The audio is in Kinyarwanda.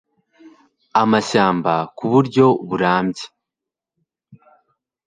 amashyamba ku buryo burambye